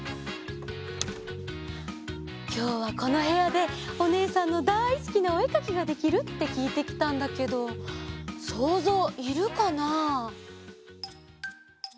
きょうはこのへやでおねえさんのだいすきなおえかきができるってきいてきたんだけどそうぞういるかな？